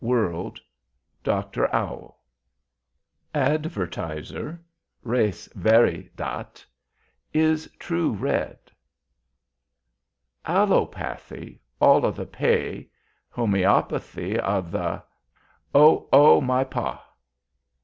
WORLD. DR. OWL. ADVERTISER. { RES VERI DAT. { IS TRUE. READ! ALLOPATHY. ALL O' TH' PAY. HOMŒOPATHY. O, THE ——! O! O, MY! PAH!